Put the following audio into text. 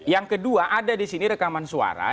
yang kedua ada disini rekaman suara